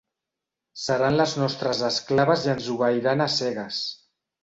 Seran les nostres esclaves i ens obeiran a cegues.